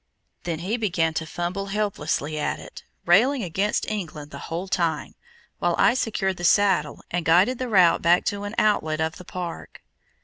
Then he began to fumble helplessly at it, railing against England the whole time, while I secured the saddle, and guided the route back to an outlet of the park.